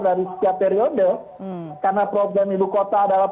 dari setiap yang kita lihat